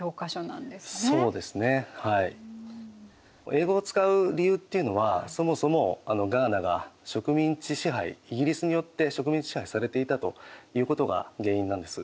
英語を使う理由っていうのはそもそもガーナが植民地支配イギリスによって植民地支配されていたということが原因なんです。